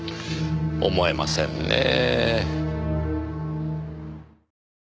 思えませんねぇ。